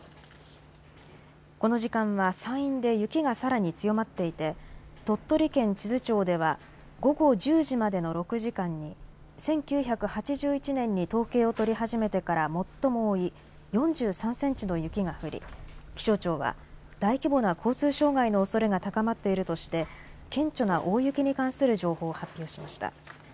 この時間は山陰で雪がさらに強まっていて鳥取県智頭町では午後１０時までの６時間に１９８１年に統計を取り始めてから最も多い４３センチの雪が降り気象庁は大規模な交通障害のおそれが高まっているとして顕著な大雪に関する情報を発表しました。